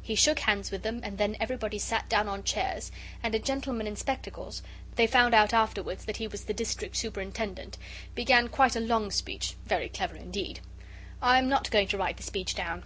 He shook hands with them and then everybody sat down on chairs, and a gentleman in spectacles they found out afterwards that he was the District Superintendent began quite a long speech very clever indeed. I am not going to write the speech down.